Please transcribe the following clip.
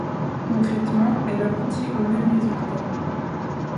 Concrètement elle aboutit aux mêmes résultats.